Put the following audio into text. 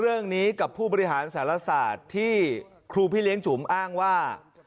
เลือกนี้กับผู้ป฾ภารสรศาสตร์ที่ครูพิเล้งจู๋งอ้างว่า